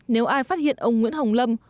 nếu ai phát hiện ông nguyễn hồng lâm